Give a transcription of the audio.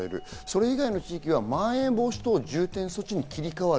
それ以外の地域は、まん延防止等重点措置に切り替わる。